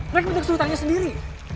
mereka harusjingkup tangannya sendiri